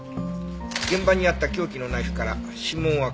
現場にあった凶器のナイフから指紋は検出されず。